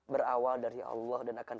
berawal dari allah dan akan